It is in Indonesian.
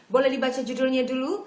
boleh dibaca judulnya dulu